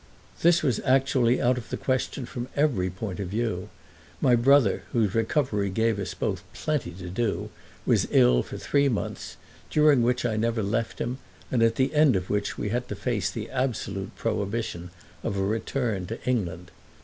This was actually out of the question from every point of view: my brother, whose recovery gave us both plenty to do, was ill for three months, during which I never left him and at the end of which we had to face the absolute prohibition of a return to England.